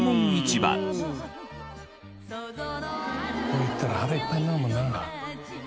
ここへ行ったら腹いっぱいになるもんな。